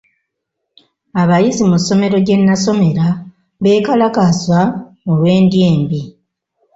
Abayizi mu ssomero gye nasomera beekalakaasa olw'endya embi.